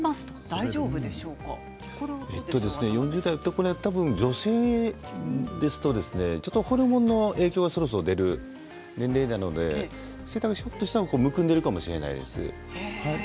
これは女性ですとホルモンの影響がそろそろ出る年齢なのでひょっとしたら声帯がむくんでいるかもしれません。